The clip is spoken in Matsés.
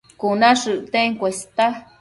Cuna shëcten cuesta